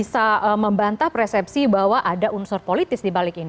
dan bagaimana kpk bisa membantah persepsi bahwa ada unsur politis di balik ini